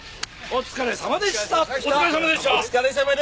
お疲れさまでした！